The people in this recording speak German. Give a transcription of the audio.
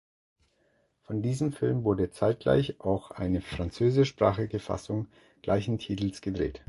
Von diesem Film wurde zeitgleich auch eine französischsprachige Fassung gleichen Titels gedreht.